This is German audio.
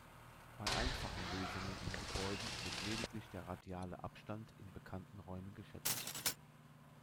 Bei einfachen Lösungen in Gebäuden wird lediglich der radiale Abstand in bekannten Räumen geschätzt.